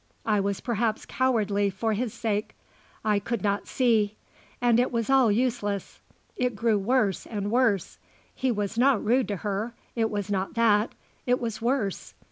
I was perhaps cowardly, for his sake. I would not see. And it was all useless. It grew worse and worse. He was not rude to her. It was not that. It was worse.